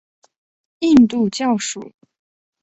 印度教属。